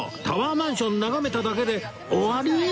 タワーマンション眺めただけで終わり？